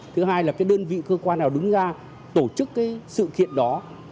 thứ hai là cái đơn vị cơ quan nào đứng ra tổ chức cái sự kiện đó